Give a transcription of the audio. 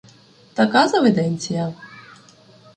Така заведенція.